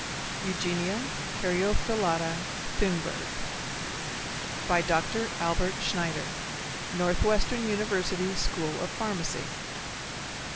(Eugenia caryophyllata Thunberg.) DR. ALBERT SCHNEIDER, Northwestern University School of Pharmacy.